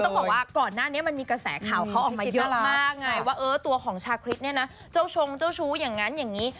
ต้องบอกว่าก่อนหน้านี้มันมีกระแสข่าวเขาออกมาเยอะมากไงว่าเออตัวของชาคริสเนี่ยนะเจ้าชงเจ้าชู้อย่างนั้นอย่างนี้